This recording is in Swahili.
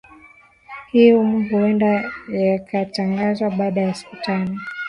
i humo huenda ykatagazwa baada ya siku tano